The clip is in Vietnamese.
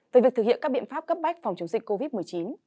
về việc thực hiện các biện pháp cấp bách phòng chống dịch covid một mươi chín